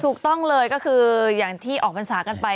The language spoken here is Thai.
ถูกต้องเลยก็คืออย่างที่ออกพรรษากันไป